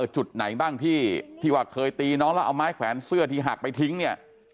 จุดไหนบ้างที่ว่าเคยตีน้องแล้วเอาไม้แขวนเสื้อที่หักไปทิ้งเนี่ย